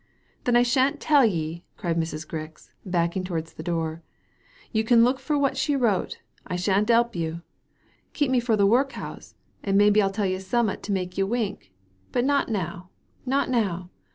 *' Then I shan't tell ye," cried Mrs. Grix, backing towards the door. "You can look for what she wrote. I shan't 'elp you. Keep me fro' the work 'ouse, and maybe Til tell ye summat to make you wink ; but not now, not now.